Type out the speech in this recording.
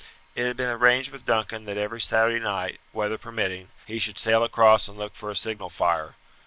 It had been arranged with Duncan that every Saturday night, weather permitting, he should sail across and look for a signal fire.